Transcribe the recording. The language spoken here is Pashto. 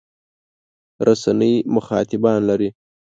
رسنۍ مخاطبان لري.